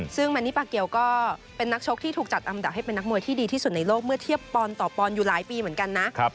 ซึ่งแมนิปาเกียวก็เป็นนักชกที่ถูกจัดอันดับให้เป็นนักมวยที่ดีที่สุดในโลกเมื่อเทียบปอนดต่อปอนด์อยู่หลายปีเหมือนกันนะ